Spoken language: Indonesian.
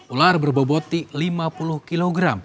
ular berboboti lima puluh kg